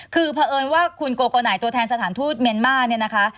คือเพราะเอิญว่าคุณโกโกนายตัวแทนสถานทูตเมียนมาร์เนี่ยนะคะ